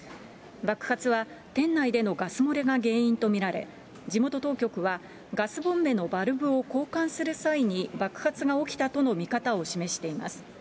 爆発は店内でのガス漏れが原因と見られ、地元当局はガスボンベのバルブを交換する際に爆発が起きたとの見方を示しています。